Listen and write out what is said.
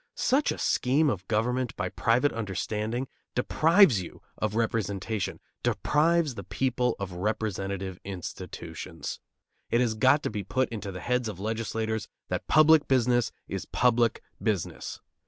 Such a scheme of government by private understanding deprives you of representation, deprives the people of representative institutions. It has got to be put into the heads of legislators that public business is public business.